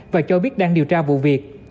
và cho biết đang điều tra vụ việc